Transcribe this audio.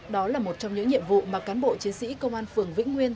đó là một trong những nhiệm vụ mà cán bộ chiến sĩ công an phường vĩnh nguyên